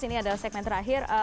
ini adalah segmen terakhir